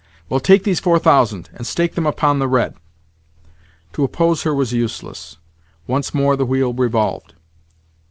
Well, take these 4000, and stake them upon the red." To oppose her was useless. Once more the wheel revolved.